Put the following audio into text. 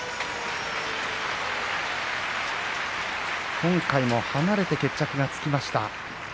今回も離れて決着がつきました。